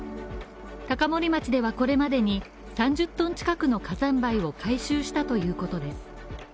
高森町ではこれまでに３０ｔ近くの火山灰を回収したということです。